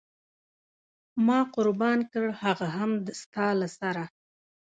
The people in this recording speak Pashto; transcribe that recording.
ما قربان کړ هغه هم د ستا له سره.